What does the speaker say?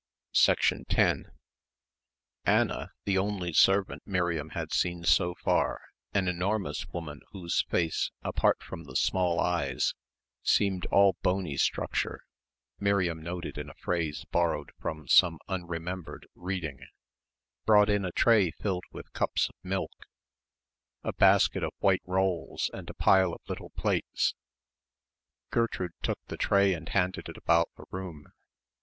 10 Anna, the only servant Miriam had seen so far an enormous woman whose face, apart from the small eyes, seemed all "bony structure," Miriam noted in a phrase borrowed from some unremembered reading brought in a tray filled with cups of milk, a basket of white rolls and a pile of little plates. Gertrude took the tray and handed it about the room.